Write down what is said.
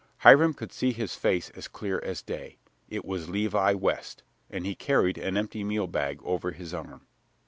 Hiram could see his face as clear as day. It was Levi West, and he carried an empty meal bag over his arm.